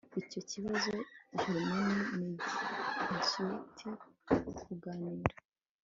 Icyo kibazo germane nigiki tuganira